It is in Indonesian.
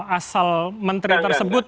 asal menteri tersebut